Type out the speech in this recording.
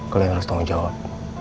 kalian harus tanggung jawab